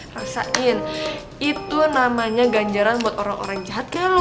rasain itu namanya ganjaran buat orang orang jahat kan